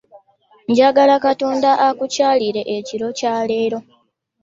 Njagala Katonda akukyalire ekiro kya leero.